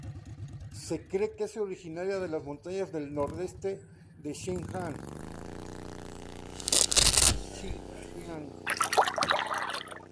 Se cree que es originaria de las montañas del nordeste de Zhejiang.